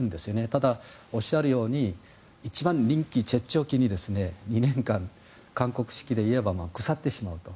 ただ、おっしゃるように一番人気絶頂期に２年間、韓国式で言えば腐ってしまうと。